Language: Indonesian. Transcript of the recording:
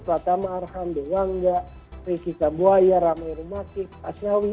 pratama arham dewangga riki kabuaya rami rumatik aznawi